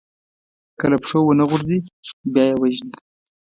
که له پښو ونه غورځي، بیا يې وژني.